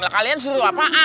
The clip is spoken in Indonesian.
lah kalian suruh apa